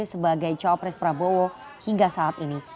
sebagai cawapres prabowo hingga saat ini